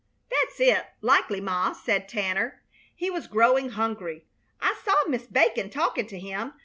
"That's it, likely, Ma," said Tanner. He was growing hungry. "I saw Mis' Bacon talkin' to him.